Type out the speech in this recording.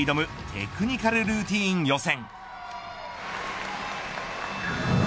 テクニカルルーティン予選。